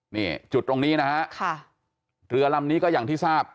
นี่จุดตรงนี้นะฮะค่ะเรือลำนี้ก็อย่างที่ทราบ